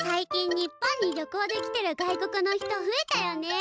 日本に旅行で来てる外国の人ふえたよねえ。